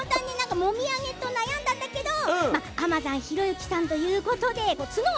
もみあげと悩んだんだけれども天山ひろゆきさんということで角を。